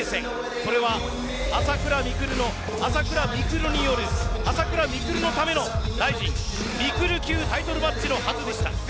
それは、朝倉未来の朝倉未来による朝倉未来のためのＲＩＺＩＮミクル級タイトルマッチのはずでした。